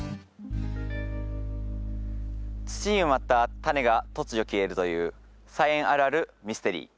土に埋まったタネが突如消えるという菜園あるあるミステリー。